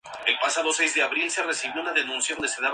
Actualmente cuenta con la mitad.